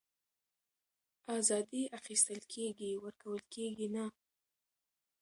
آزادي اخيستل کېږي ورکول کېږي نه